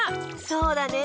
そうだね。